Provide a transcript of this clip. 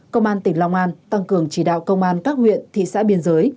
công an tỉnh long an tăng cường chỉ đạo công an các huyện thị xã biên giới